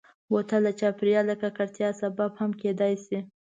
بوتل د چاپېریال د ککړتیا سبب هم کېدای شي.